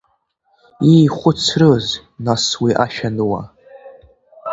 Иихәыцрыз, нас, уи ашәануа?